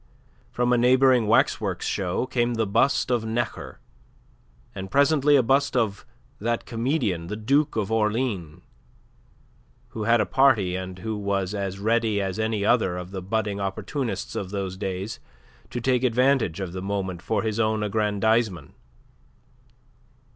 From a neighbouring waxworks show came the bust of Necker, and presently a bust of that comedian the Duke of Orleans, who had a party and who was as ready as any other of the budding opportunists of those days to take advantage of the moment for his own aggrandizement.